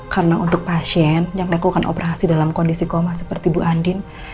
karena untuk pasien yang melakukan operasi dalam kondisi koma seperti bu andin